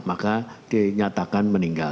maka dinyatakan meninggal